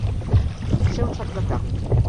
Ser un sac de carn.